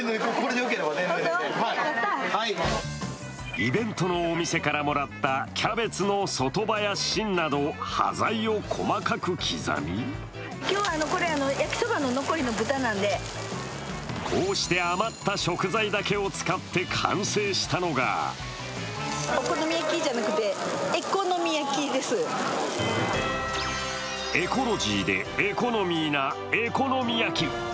イベントのお店からもらったキャベツの外葉や芯など端材を細かく刻みこうして余った食材だけを使って完成したのがエコロジーでエコノミーなエコのみ焼き。